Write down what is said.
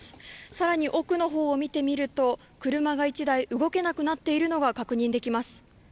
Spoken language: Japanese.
さらに奥の方を見てみると車が１台動けなくなっているのが確認できます